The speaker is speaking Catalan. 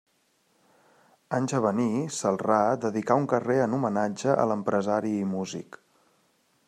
Anys a venir, Celrà dedicà un carrer en homenatge a l'empresari i músic.